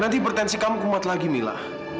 nanti pretensi kamu kumat lagi mila